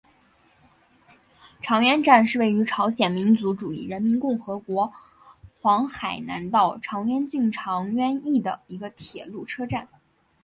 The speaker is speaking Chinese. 长渊站是位于朝鲜民主主义人民共和国黄海南道长渊郡长渊邑的一个铁路车站。